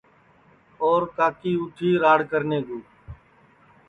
اور کاکلی لالی اُٹھی راڑ کرنے کُو